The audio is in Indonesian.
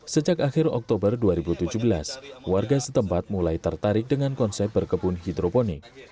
sejak akhir oktober dua ribu tujuh belas warga setempat mulai tertarik dengan konsep berkebun hidroponik